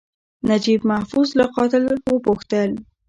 نجیب محفوظ له قاتل وپوښتل.